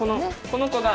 この子が。